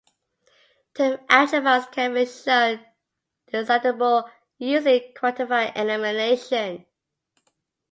Term algebras can be shown decidable using quantifier elimination.